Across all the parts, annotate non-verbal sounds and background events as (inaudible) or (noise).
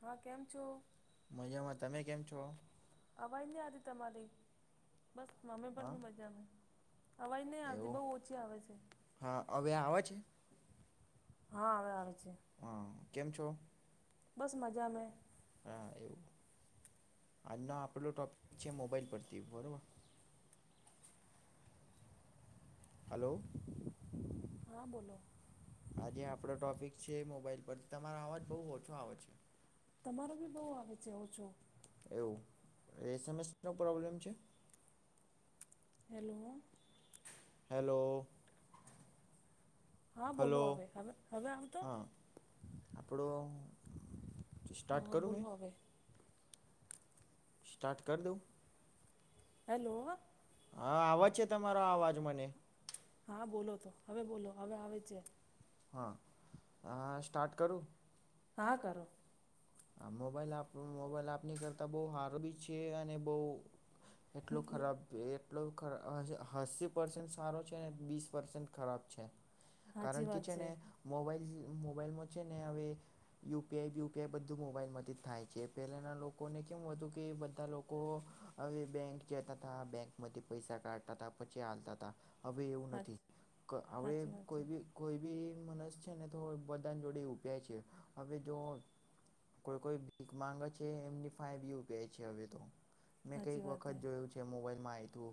હા કેમ છો. મજામાં તમે કેમ છો. અવાજ નહી, આવીતી તમારી બસ મ્મે પણ હા બી મજાને અવાજ નહી આવતી એવું બહુ ઓછી આવે છે. હા હવે આવે છે. હા આવેવે આવે છે. હા કેમ છો. બસ મજા મે હા એવું આજનો આપડો ટોપિક છે મોબાઈલ પરથી બરોબર હલો હા બોલો આજે આપડો ટોપિક છે મોબાઈલ પરથી તમારો અવાજ બહુ ઓછો આવે છે. તમારો બી બહુ આવે છે, ઓછો. એવું નો પ્રોબ્લેમ છે. હેલો હેલો હા બોલો હલો હવે હવે હવે આવતો હા આપણો સ્ટાર્ટ હા કરુ મે બોલો હવે સ્ટાર્ટ કર દો હેલો હા આવવાજ છે, તમારો અવાજ મને હા બોલો તો હવે બોલો હવે આવે છે. હા હ સ્ટાર્ટ કરુ હા કરો આ મોબાઈલ આપ મોબાઈલ આપની કરતા બહ હાર બી છે, અને બહ એટલો ખરાબ એટલો અસી પસેન્ટ સારો છે ને બીસ પસેન્ટ ખરાબ છે. સાચી કારણ કે વાત છે ને મોબાઈલ મોબાઈલમાં છેને, હવે યુપીઆઈ બુપીઈ બ બું મોબાઈલમાંથી જ થાય છે, પહેલાના લોકોને કેમું હતું કે બધા લોકો હવે બેંક જ હતા, બેંક મધ પૈસા કઢતા હતા પછી હાલતા હતા. હવે એવું હા નથી ક હણે સાચી વાત છે કોઈ બી કોઈ બી મનસ છે ને તો બધા જોડે ઉભે છે. હવે જો કોઈ કોઈ ભીખ માંગ છે એમની ફઇવ (unintelligible) છે હવે તો, મેં સાચી કઈક વાત વખત જોયું છે મોબાઈલમાં આઇ તું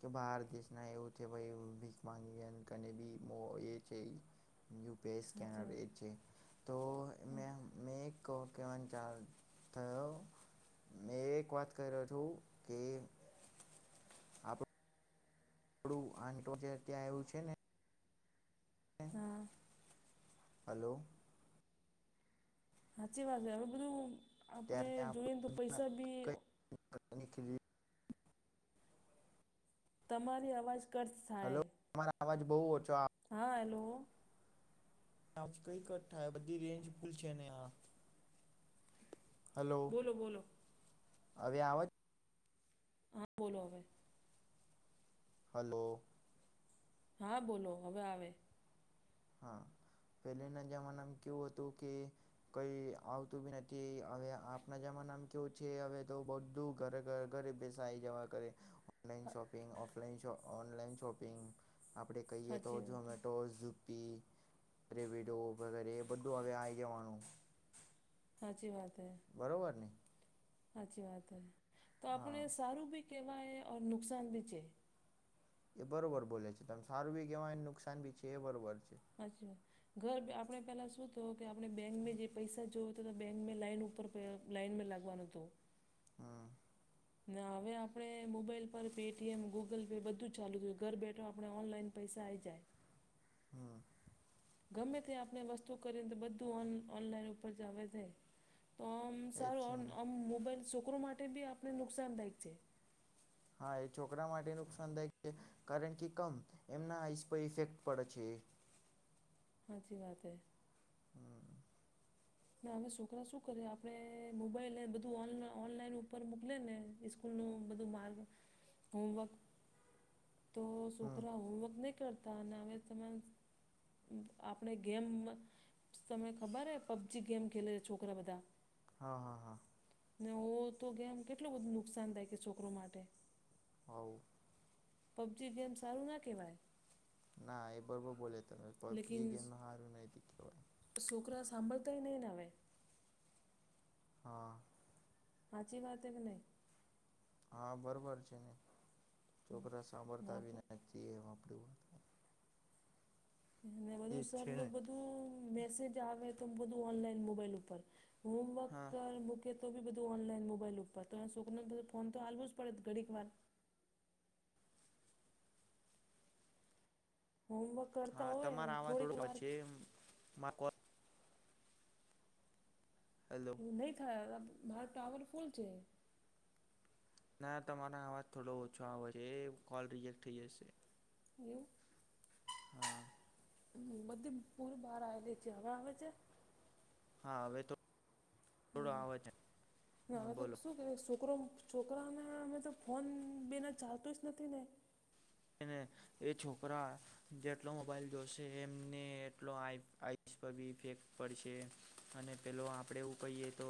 કે બહાર દેશ ના એવું છે ભ ભીખ માંગી બી એ છે. યુપીઆઈ સાચી સ્કેનર એ છે. તો વાત મે કેવાન ચાલ થયો મેં એક વાત કર્યો છું કે આપડું આ જે ત્યાં આવું છે ને હા. હલો. સાચી વાત છે હવે બધું આપણે ત્યારે ત્યાં જોઈએ ને તો પૈસા બી (unintelligible) તમારી અવાજ (unintelligible) હલો (inaudible) અવાજ બહુ ઓછો હા હેલો કઈ ક થાય બધી રેન્જ ભૂલ છે ને હા. હલો, બોલો બોલો અવે આ હા બોલો હવે. હલો. હા બોલો હવે આવે. હા પેલે ના જમાનામાં કેવું હતું કે કઈ આવતું બી નથી હવે આપના જમાનામ કેવું છે હવે તો બધું ઘરે ઘ ઘરે બેસ (unintelligible) જવા કરે. Online shopping, offline shop, online shopping આપણે કહીએ તો સાચી વાત ઝોમેટો ઝપ પી રેપિડો બધું હવે આ જવાનું. હાચી વાત હે. બરોબર ને? સાચી વાત હો તો આપણે હા સારું બી કહેવાય ઓ નુકસાન બી છે. એ બરોબર બોલે છે તમે સારું બી કેહેવાયને નુકસાન બી છે એ બરોબર છે. (inaudible) ઘર આપણે પેલા શું થયું કે આપણે બેંક જે પૈસા જોવ તો તો બેંક લાઈન ઉપર પ લાઈનમાં લાગવાનો હતો. હમ. ને હવે આપણે મોબાઈલ પર પેટીએમ, ગૂગલ પે બધું જ ચાલુ થયું. ઘર બેઠો આપણે ઓનલાઈન પૈસા આવીઈ જાય. હમ ગમે ત્યાં આપણે વસ્તુ કરીને તો બધુંન ઓનલાઈન ઉપર જ આવે છે. તો આમ એજ છે સારું ને આમ મોબાઈલ છોકરો માટે બી આપને નુકસાનદાયક છે. હા એ છોકરા માટે નુકસાન થાય છે કારણ કે કમ એમના આઈસ પર ઇફેક્ટ પડે છે. હાચી વાત હે. હમ ના હવે છોકરા શું કરે આપે મોબાઈલ બધું ઓનલાઈનર મોકલે ને (inaudible) માર્ગ હોમવક, તો હમ છોકરા હોમવર્ક નહી કરતા હવે ત આપણે ગેમ તમને ખબર હે? પબ્ગી ગેમ ખેલે છે છોકરા બધા. હા હા. ને ઓ તો કેમ કેટલું બધું નુકસાન થાય કે છોકરો માટે. હો. પબજી ગેમ સારું ના કહેવાય. ના એ બરોબર બોલે ત પછી લેકિન ગેમ હારું (inaudible) છોકરા સાંભળતાંય નહીં ન હ આવે. હા. હાચી વાત એક નહીં હા બરોબર છે ને છોકરા ના સાંભળતા બી નથી એમ આપણી વાત બધું એજ સર છે લો ને બધું મેસેજ આવે તો બધું ઓનલાઈન મોબાઈલ ઉપર હોમવર્ક હા બધું કે તો બી બધું ઓનલાઈન મોબાઈલ ઉપર તો એ સુખને બધું ફોન તો હાલવું પડે ઘડીક વાર હોમવર્ક કરતા હા હોય તમારે આવા થોડીક થોડુંક વાર જેમ (unintelligible) હેલો એવું નહીં થાય મારો ટાવર ફૂલ છે ના તમારો અવાજ થોડો ઓછો આવે છે એ કોલ રિજેક્ટ થઈ જશે હું હા. હમ્મ બધી પૂર બહાર આવેલી છે હવે આવે છે હા હવે તો થોડો હા આવે છે ના હા હવે તો બોલો શું કે છોકરો છોકરાઓને અમે તો ફોન બીના ચાલતું જ નથી ને ને એ છોકરા જેટલો મોબાઈલ જોશે એમને એટલો (unintelligible) પડશે અને પેલો આપણેે એવું કહીએ તો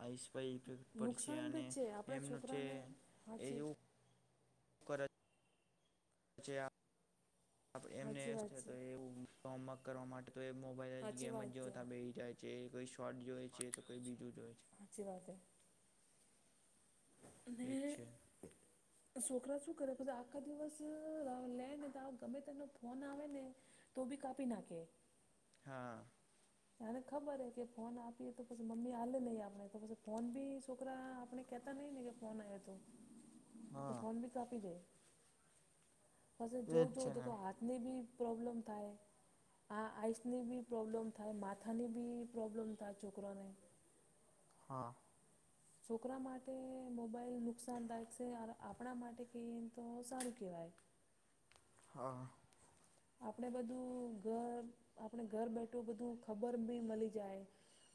આઈ સ્પાઈ ઇફેક્ટ પડશે નુકસાન અને બી છે આપણે એમનું છે છોકરાને એ સાચી જેવું કરજ પછી એમને સાચી વાત છે આપણે એવું હોમવર્ક કરવા માટે તો મો બધા જ સાચી ગેમ જ વાત જો છે તા બે જાય છે કોઈ શોર્ટ જોય છે તો કોઈ બીજું જોય છે. સાચી વાત હે એજ છે છોકરા શું કરે પછી આખા દિવસ લે ને તો ગમે તેનો ફોન આવે ને તો ભી કાપી નાખે હા. ને ખબર નહી કે ફોન આપીએ તો પછી મમ્મી હાલે નહી આપણે તો પછી ફોન બી છોકરા આપણે કેતા નઈ ને કે ફોન આયો તો (inaudible) તો હા ફોન બી કપી દે જો એજ જો છે ને તો હાથ ની બી પ્રોબ્લેમ થાય. આ આઈસની બી પ્રોબ્લમ થાય માથાની બી પ્રોબ્લમ થાય છોકરાને હા. છોકરા માટે મોબાઈલ નુકસાનદાયક છે આપણા માટે કે તો સારું કહેવાય હા. આપણે બધું ઘર આપણે ઘર બેઠું બધું ખબર બી મળી જાય.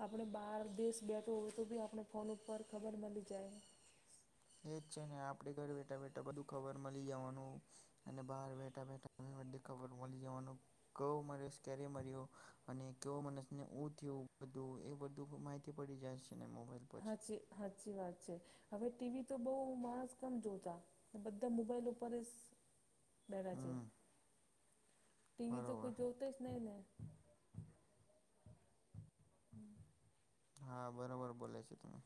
આપણે બહાર દેશ બેઠો હોય તો બી આપણે ફોન ઉપર ખબર મળી જાય. એજ છે ને આપડે ઘર બેઠા બેઠા બધું ખબર મળી જવાનું અને બહાર બેઠા બેઠા બધી ખબર મળી જવાનું કયો માણસ ક્યારે મર્યો અને કયો માણસને ઉ થયું બધું એ બધું (unintelligible) ખબર પડી જાય છેને મોબાઈલ પર જ હાચી સાચી વાત છે હવે ટીવી તો બઉ માણસ કમ જોતા બધા મોબાઈલ ઉપર જ બેડા છે હમ ટીંવી તો બરોબર કોઈ જોતા જ નહી ને (inaudible) હા બરોબર બોલે છે તમે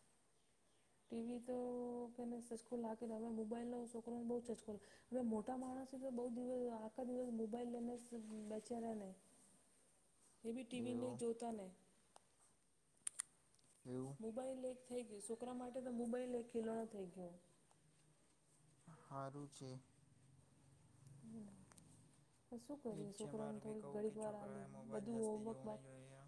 ટીવી તો કેને સચકો લાગે હવે મોબાઈલનો છોકરોને બહુ સચકો લાગે હવે મોટા માણસે તો બૌ દિવસ આખા દિવસ મોબાઈલ લઈને બેચે ને (inaudible) એ બહુ ટીવી ને એવુ એવું જોતા નહી (inaudible) મોબાઈલ એક થઈ ગયો છોકરા માટે તો મોબાઈલ એક ખેલણો થઈ ગયો. હારું છેે. શું કરીએ ઈચ્છે છોકરાને મારવી થોડીક કહું કે ઘડીક વાર આલી છોકરાએ મોબાઈલ બધું જાસ્તી હોમવર્ક જોવું બાપ નહી જોઈએ.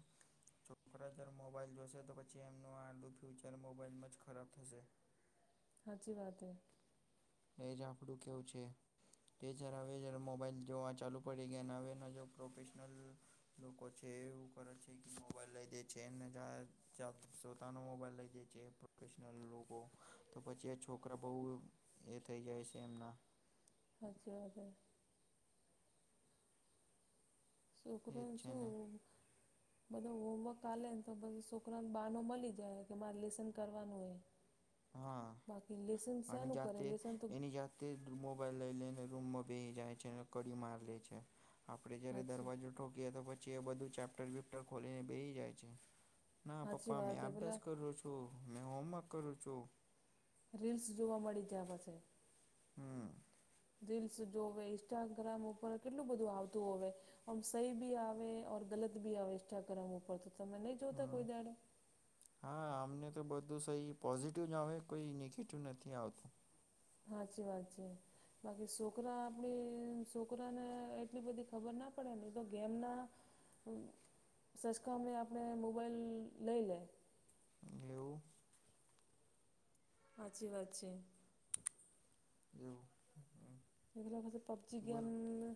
છોકરાજર મોબાઈલ જોશે તો પછી એમનું આલું ફ્યુચર મોબાઈલમાં જ ખરાબ થશે. હાચી વાત હ. એજ આપડું કેવું છે. જ હવે મોબાઈલ જોવા ચાલુ પડી ગયા હવે પ્રોફેશનલ. લોકો છે એવું કરે છે મોબાઈલ લઈ દે છે જ. પોતાનો મોબાઈલ લઈ જાય છે પ્રોફેશનલ લોકો તો પછી એ છોકરા બહુ. એ થઇ જાય છે એમના. હાચી વાત હે. ઉપરો એજ છે ને શું. બધા હોમવર્ક હાલે ને તો બધ છોકરાને બાનો મળી જાય કે મારે લેસન કરવાનું હોય. હા બાકી લેસન શાનું કરે લેસન તો. તે મોબાઈલ લઈ લઈને રૂમમાં બેસી જાય છે અને કડી માર લે છે આપડે જયારે હાચી દરવાજો. ઠોકીએ તો પછી એ બધું ચેપ્ટર બેપ્ટર ખોલીને બેહિ જાય છે. ના સાચી પપ્પા મેં વાત એ અભ્યાસ પેલા કરો છું મેં હોમવર્ક કરું છું. રીલ્સ જોવા મડી જા પછી. હમ. રીલ્સ જોવે ઇન્સ્ટાગ્રામ ઉપર કેટલું બધું આવતું હોવે. ઓમ સહી ભી આવેર ગલત ભી આવે ઈન્સ્ટાગ્રામ ઉપર તો તમે નહી જોતા હમ કોઈ દાડો. હા અમને તો બધું સ પોઝિટિવ જ આવે કોઈ નેગેટિવ નથી આવતું. હાચી વાત છે. બાકી છોકરા આપડી છોકરાને એટલી બધી ખબર ના પડે ને તો ગેમના. સચ કામણી આપણે મોબાઈલ લઈ લે. એવું. હાચી વાત છે. એવું જે છે પબજી બર ગેમ ને.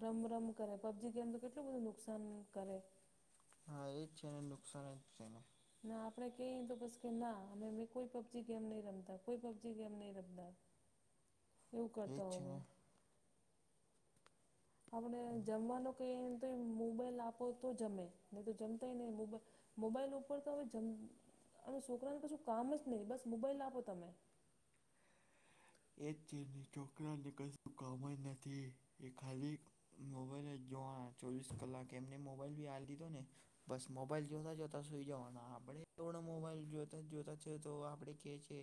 રમ રમ કરે પબજી ગેમ તો કેટલું બધું નુકસાન કરે. હા એજ છે ને નુકસાન જ છે ને. ના આપડે કેઈ તો પછી કે ના અમે મે કોઈ પબજી ગેમ નહી રમતા કોઈ પબજી ગેમ નહી રમતા. (inaudible) એવું એજ કરતા છે હોમે. ને આપણે જમવાનો કઈ તો મોબાઈલ આપો તો જમે ન તો જમતાય ને મોબાઈ. મોબાઈલ ઉપર તો હવે છોકરાને કશું કામ જ નહી બસ મોબાઈલ આપો તમે. એ છે છોકરા ને કશું કોમ નથી એ ખાલી. મોબાઈલ જ જોવા ના ચોવીસ કલાક એમને મોબાઈલ ભી આલી દીધો ને. બસ મોબાઈલ જોતા જોતા સુઈ જવાના આપણે મોબાઈલ જોતા જોતાએ તો આપણેે કે છે.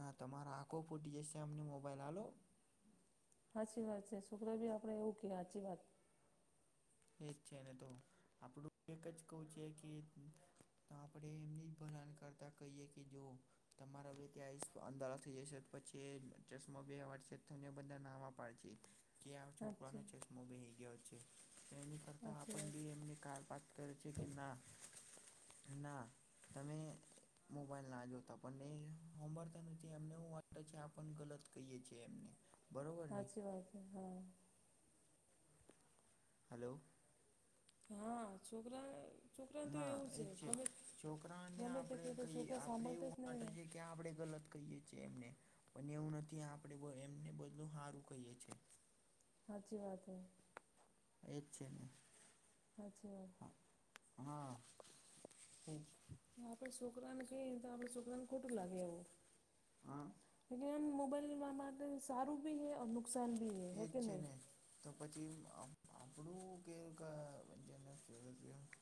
ના તમારો આખો ફૂટી જશે અમને મોબાઈલ હાલો. હાચી વાત છે છોકરા ભી આપડે એવું ક હાચી વાત. એ જ છે ને તો આપડું એક જ કહું છે કે. તો આપણેે એમની જ ભલાણ કરતા કહીએ કે જો. તમારા બે ત્યાં અંધારા થઈ જશે પછી ચશ્મા બે એવાડ છે બા નામ આપ. પાડશે કે છોકરા સાચી ને ચશ્મા બેહી ગયો છે. કરતા સાચી આપણ વાત બી છે એમને કારપત કર છે કે ના. ના તમે. મોબાઈલ ના જોતા પણ નહી હોંભળતા નથી એમને વાત છે કે આપડે ગલત કહીએ છીએ એમ. હાચી વાત હા. હલો. હા છોકરાને છોકરાન તો હા એવું એ છે જ ગમે છોકરાને ગમે તે આપણે કીધું કઈ છોકરા આપણે એવું સાંભળતા નહી માટે ને. છે કે આપડે ગલત કહીએ છીએ એમને પન એવું નથી આપડે બહ એમને બધું હારું કહીએ છીએ. સાાચી વાત હૈ. એ જ છે ને. હાચી વાત. હા (unintelligible) આપડે છોકરાન કહીએન તો આપડ છોકરા ન ખોટું લાગે એવુ. હા જોકે આમ મોબાઈલ લેવા માટે સારું ભી હે અમુક નુકસાન ભી હે. હે એજ કે નહીં છેને. તો પછી આપ આપડું કે ગ (unintelligible)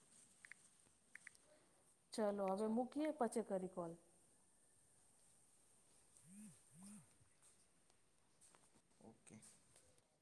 ચલો હવે મૂકીએ પછ કરી કોલ. ઓકે.